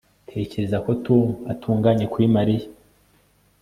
Ntekereza ko Tom atunganye kuri Mariya